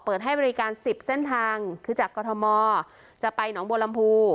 เปิดให้บริการสิบเส้นทางคือจากกฎธมอตจะไปหนองบวลัมภู